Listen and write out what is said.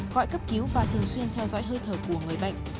gọi cấp cứu và thường xuyên theo dõi hơi thở của người bệnh